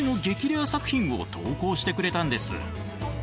レア作品を投稿してくれたんです。